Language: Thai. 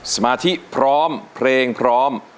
สมาธิพร้อมเพลงพร้อม